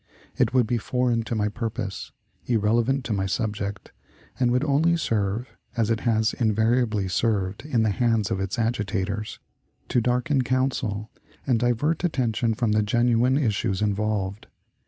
It would be foreign to my purpose, irrelevant to my subject, and would only serve as it has invariably served, in the hands of its agitators to "darken counsel" and divert attention from the genuine issues involved.